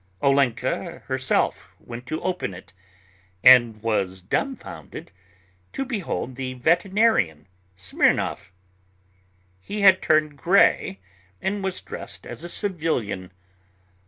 Olenka herself went to open it, and was dumbfounded to behold the veterinarian Smirnov. He had turned grey and was dressed as a civilian.